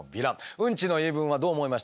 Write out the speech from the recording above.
ウンチの言い分はどう思いました？